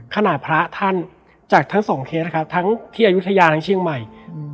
ขณะพระท่านจากทั้งสองเคสนะครับทั้งที่อายุทยาทั้งเชียงใหม่